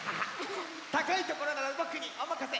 たかいところならぼくにおまかせ！